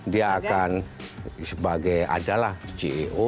dia akan sebagai adalah ceo